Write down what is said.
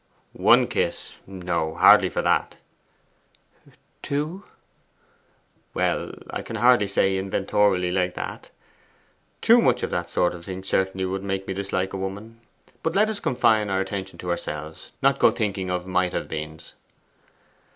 'One kiss, no, hardly for that.' 'Two?' 'Well I could hardly say inventorially like that. Too much of that sort of thing certainly would make me dislike a woman. But let us confine our attention to ourselves, not go thinking of might have beens.